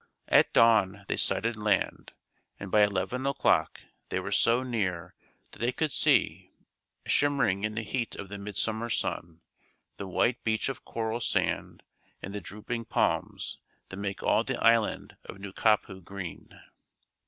At dawn they sighted land, and by eleven o'clock they were so near that they could see, shimmering in the heat of the midsummer sun, the white beach of coral sand and the drooping palms that make all the island of Nukapu green.